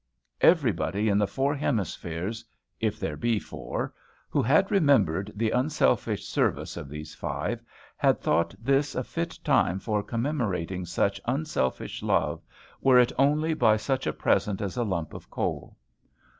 Everybody in the four hemispheres, if there be four, who had remembered the unselfish service of these five, had thought this a fit time for commemorating such unselfish love, were it only by such a present as a lump of coal.